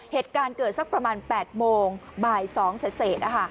เหตุการณ์เกิดสักประมาณ๘โมงบ่าย๒เสร็จ